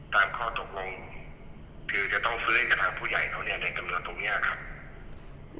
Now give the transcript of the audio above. ตามข้อตกลงคือจะต้องซื้อให้กับทางผู้ใหญ่เขาเนี่ยได้กำหนดตรงนี้ครับ